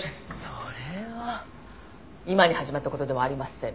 それは今に始まった事ではありません。